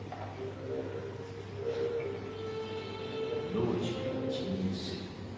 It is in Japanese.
「老中を辞任せよ。